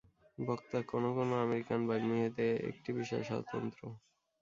বক্তা কোন কোন আমেরিকান বাগ্মী হইতে একটি বিষয়ে স্বতন্ত্র।